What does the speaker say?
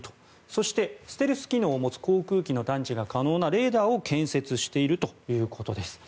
そして、ステルス機能を持つ航空機の探知が可能なレーダーを建設しているということです。